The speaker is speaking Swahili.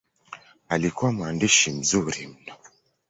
Alikuwa mwandishi mzuri mno.